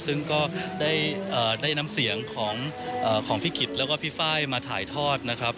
ซึ่งก็ได้น้ำเสียงของพี่กิจแล้วก็พี่ไฟล์มาถ่ายทอดนะครับ